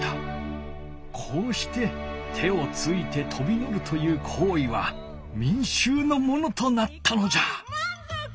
こうして手をついてとびのるというこういはみんしゅうのものとなったのじゃ。